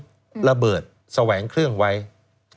คุณนิวจดไว้หมื่นบาทต่อเดือนมีค่าเสี่ยงให้ด้วย